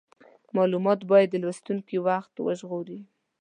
مالومات باید د لوستونکي وخت وژغوري.